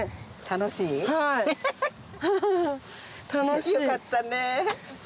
楽しい。よかったね。